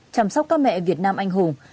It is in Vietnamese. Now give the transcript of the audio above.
chăm sóc các mẹ việt nam anh hùng